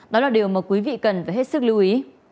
đó là điều mà quý vị cần phải hết sức lưu ý